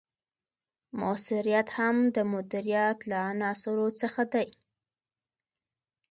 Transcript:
مؤثریت هم د مدیریت له عناصرو څخه دی.